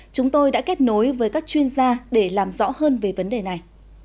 chúng tôi đã kết nối với các chuyên gia để làm rõ hơn về vấn đề này